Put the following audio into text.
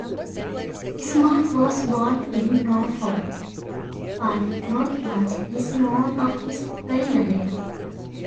Smart was born in Norfolk, but not much is known of his early life.